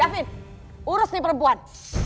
gavin urus nih perempuan